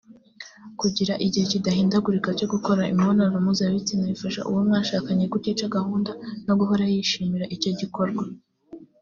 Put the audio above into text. Kugira igihe kidahindagurika cyo gukora imibonano mpuzabitsina bifasha uwo mwashakanye kutica gahunda no guhora yishimira icyo gikorwa